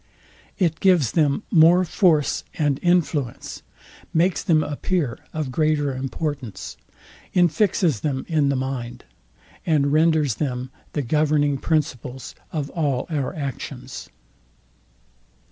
It gives them more force and influence; makes them appear of greater importance; infixes them in the mind; and renders them the governing principles of all our actions.